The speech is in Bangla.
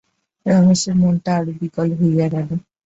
রমেশের মনটা আরো বিকল হইয়া গেল।